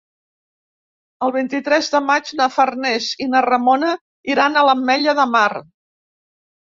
El vint-i-tres de maig na Farners i na Ramona iran a l'Ametlla de Mar.